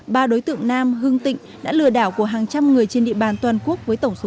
ba đối tượng nam hưng tịnh đã lừa đảo của hàng trăm người trên địa bàn toàn quốc với tổng số